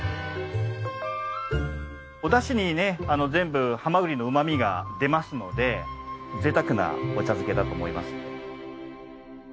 お出汁にね全部ハマグリのうまみが出ますので贅沢なお茶漬けだと思います。